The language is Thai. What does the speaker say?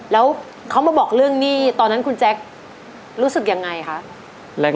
แล้วเขามาบอกเรื่องหนี้ตอนนั้นคุณแจ๊ครู้สึกยังไงคะ